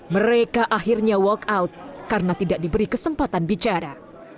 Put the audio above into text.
mereka akhirnya walk out karena tidak diberi kesempatan bicara